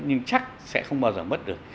nhưng chắc sẽ không bao giờ mất được